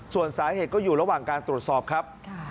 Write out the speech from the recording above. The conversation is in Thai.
ส่วนสาเหตุก็อยู่ระหว่างการตรวจสอบครับ